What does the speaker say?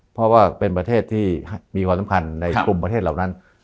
เพราะว่าเป็นประเทศที่มีความสำคัญในกลุ่มประเทศเหล่านั้น